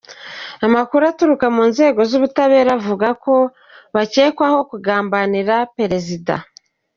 Amakuru aturuka mu nzego z’ubutabera avuga ko bakekwaho ‘kugambanira Perezida.’